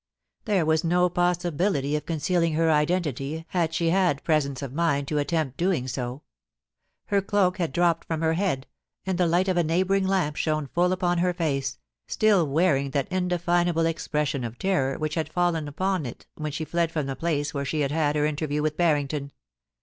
There was no possibility of concealing her identity had she had presence of mind to attempt doing sa Her cloak had dropped from her head, and the light of a neighbouring lamp shone full upon her face, still wearing that indefinable expression of terror which had fallen upon it when she fled from the place where she had had her inter view with Barrington.